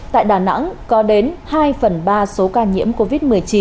tại đà nẵng có đến hai phần ba số ca nhiễm covid một mươi chín